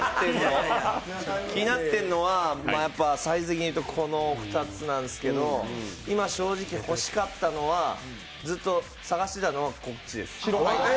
気になってるのはやっぱサイズ的にいうとここの２つなんですけど今、正直欲しかったのはずっと探してたのはこっちです。